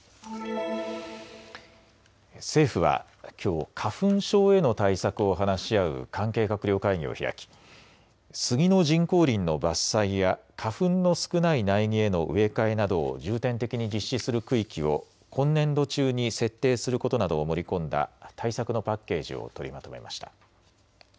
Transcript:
政府はきょう花粉症への対策を話し合う関係閣僚会議を開きスギの人工林の伐採や花粉の少ない苗木への植え替えなどを重点的に実施する区域を今年度中に設定することなどを盛り込んだ対策のパッケージを取りまとめました。